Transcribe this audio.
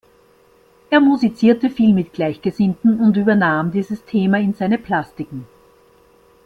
Er musizierte viel mit Gleichgesinnten und übernahm dieses Thema in seine Plastiken.